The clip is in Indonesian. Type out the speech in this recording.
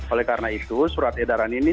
oleh karena itu surat edaran ini